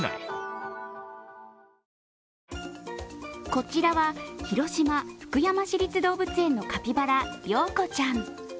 こちらは、広島・福山市立動物園のカピバラ、りょうこちゃん。